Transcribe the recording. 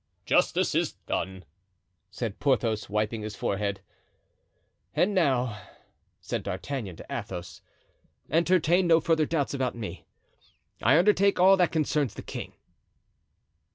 "Justice is done," said Porthos, wiping his forehead. "And now," said D'Artagnan to Athos, "entertain no further doubts about me; I undertake all that concerns the king."